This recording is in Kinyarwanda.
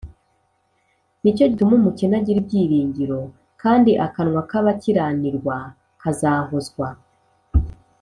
ni cyo gituma umukene agira ibyiringiro, kandi akanwa k’abakiranirwa kazahozwa